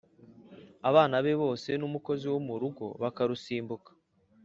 abana be bose n'umukozi wo mu rugo bakarusimbuka